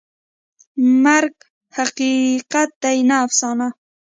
مرګ حقیقت دی، نه افسانه.